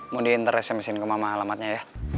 mondi interes sms in ke mama alamatnya ya